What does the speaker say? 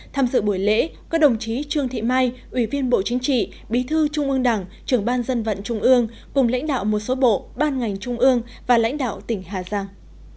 tham dự buổi lễ có đồng chí trương thị mai ủy viên bộ chính trị bí thư trung ương đảng trưởng ban dân vận trung ương cùng lãnh đạo một số bộ ban ngành trung ương và lãnh đạo tỉnh hà giang